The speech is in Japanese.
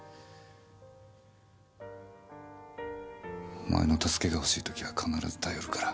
お前の助けが欲しい時は必ず頼るから。